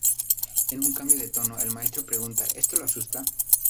En un cambio de tono, el maestro pregunta: "¿Esto lo asusta?